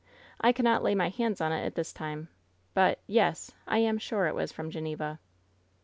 I cannot lay my hands on it at this time, but — ^yes, I am sure it was from Geneva.